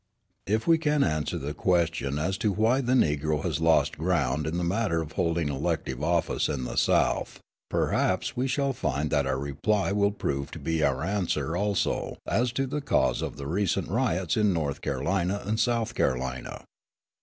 If we can answer the question as to why the Negro has lost ground in the matter of holding elective office in the South, perhaps we shall find that our reply will prove to be our answer also as to the cause of the recent riots in North Carolina and South Carolina.